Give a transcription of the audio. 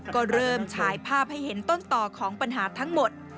ก็เริ่มฉายภาพให้เห็นต้นต่อของปัญหาทั้งหมด